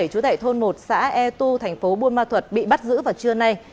chú tệ thôn một xã e tu tp buôn ma thuật bị bắt giữ vào trưa nay